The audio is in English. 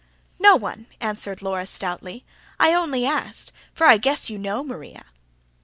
"No one," answered Laura stoutly. "I only asked. For I guess you KNOW, Maria."